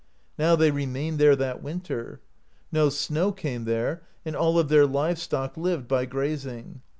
Now they remained there that win ter. No snow came there, and all of their live stock lived by grazing (55).